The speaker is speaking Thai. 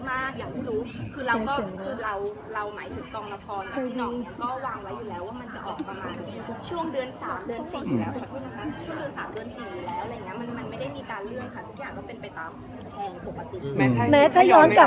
แม้ตรงน้องขอโทษน้องนินคนเดียวแต่ว่าเพื่อนคนอื่นก็แม้เราอยู่ใน